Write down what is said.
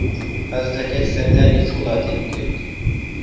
حەز دەکەیت سەردانی چ وڵاتێک بکەیت؟